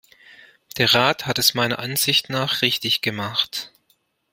Der Rat hat es meiner Ansicht nach richtig gemacht.